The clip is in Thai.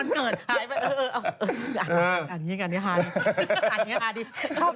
อันนี้กันอันนี้หาย